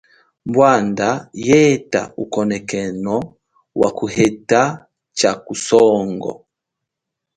Bwanda yeta ukonekeno wakuheta cha kusongo.